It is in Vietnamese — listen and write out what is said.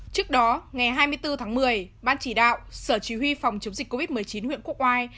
trước đó ngày hai mươi bốn tháng một mươi ban chỉ đạo sở chỉ huy phòng chống dịch covid một mươi chín huyện quốc oai